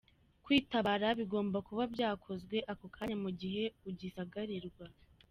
Kwitabara bigomba kuba byakozwe ako kanya mu gihe ugisagarirwa.